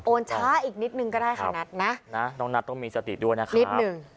โอนช้าอีกนิดนึงก็ได้ค่ะนัทนะน้องนัทต้องมีสติด้วยนะครับ